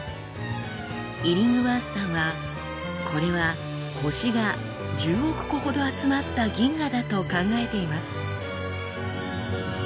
イリングワースさんはこれは星が１０億個ほど集まった銀河だと考えています。